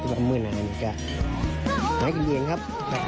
ปิดไปอัมเมื่อไหร่เนี่ยก็หากินเองครับ